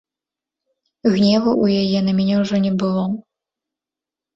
Гневу ў яе на мяне ўжо не было.